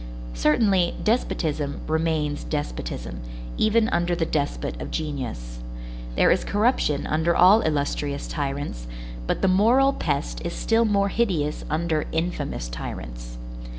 Certainly, despotism remains despotism, even under the despot of genius. There is corruption under all illustrious tyrants, but the moral pest is still more hideous under infamous tyrants.